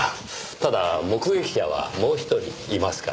ただ目撃者はもう１人いますから。